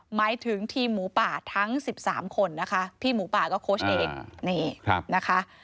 หมายถึงทีมหมูป่าทั้ง๑๓คนนะคะพี่หมูป่าก็โค้ชเอกนี่นะคะ